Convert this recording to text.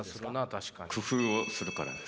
工夫をするからです。